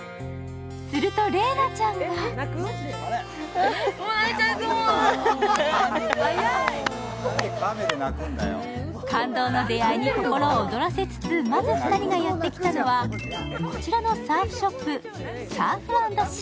すると麗菜ちゃんが感動の出会いに心躍らせつつ、まず２人がやってきたのはこちらのサーフショップＳｕｒｆＮＳｅａ。